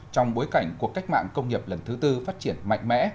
trong bối cảnh cuộc cách mạng công nghiệp lần thứ tư phát triển mạnh mẽ